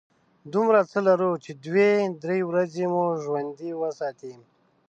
دومره څه لرو چې دوې – درې ورځې مو ژوندي وساتي.